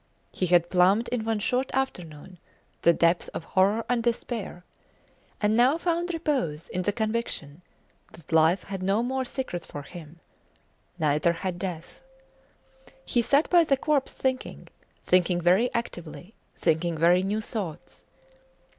He had plumbed in one short afternoon the depths of horror and despair, and now found repose in the conviction that life had no more secrets for him: neither had death! He sat by the corpse thinking; thinking very actively, thinking very new thoughts.